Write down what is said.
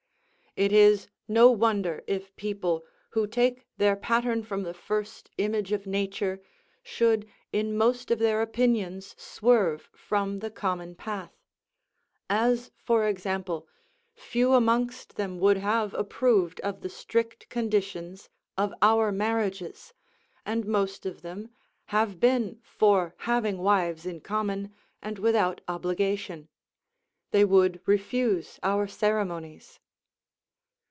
It is no wonder if people, who take their pattern from the first image of nature, should in most of their opinions swerve from the common path; as, for example, few amongst them would have approved of the strict conditions of our marriages, and most of them have been for having wives in common, and without obligation; they would refuse our ceremonies.